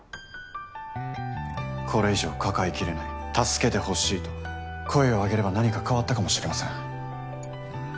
これ以上抱えきれない助けてほしいと声を上げれば何か変わったかもしれません。